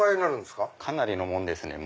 かなりのもんですね。